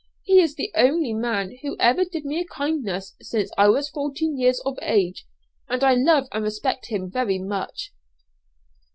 He is the only man who ever did me a kindness since I was fourteen years of age, and I love and respect him very much."